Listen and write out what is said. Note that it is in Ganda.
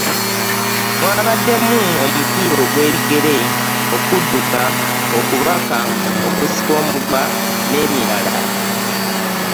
Mwabaddemu; omupiira gw'ebigere, okudduka, okubaka, okusika omugwa n'emirala